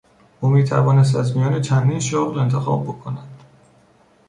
او میتوانست از میان چندین شغل انتخاب بکند.